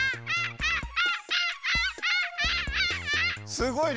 すごいね。